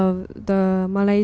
và hôm nay